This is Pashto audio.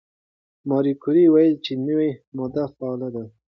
ماري کوري وویل چې نوې ماده فعاله ده.